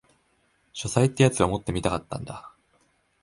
書斎ってやつを持ってみたかったんだ